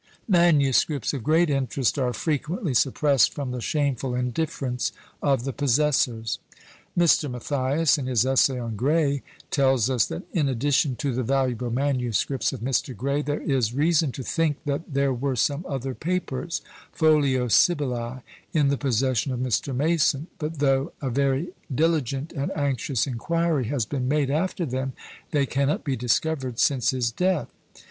Manuscripts of great interest are frequently suppressed from the shameful indifference of the possessors. Mr. Mathias, in his Essay on Gray, tells us, that "in addition to the valuable manuscripts of Mr. Gray, there is reason to think that there were some other papers, folia SibyllÃḊ, in the possession of Mr. Mason; but though a very diligent and anxious inquiry has been made after them, they cannot be discovered since his death.